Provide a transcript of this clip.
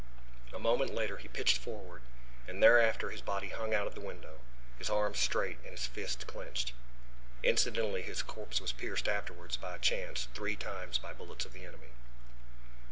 A moment later he pitched forward, and thereafter his body hung out of the window, his arms straight and the fists clenched. Incidentally this corpse was pierced afterwards by chance three times by bullets of the enemy.